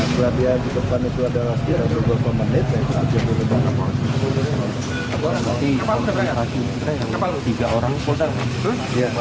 di depan itu adalah